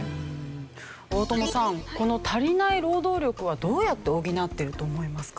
大友さんこの足りない労働力はどうやって補ってると思いますか？